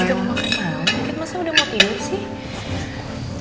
mungkin masa udah mau pilih sih